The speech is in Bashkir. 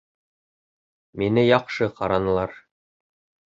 Мине яҡшы ҡаранылар